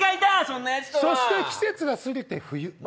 そして季節は過ぎて冬。